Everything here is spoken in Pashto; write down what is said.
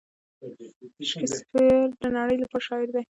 شکسپیر د نړۍ لپاره شاعر دی.